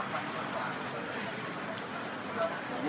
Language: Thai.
สวัสดีครับ